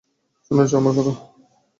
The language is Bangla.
শুনছ আমার কথা?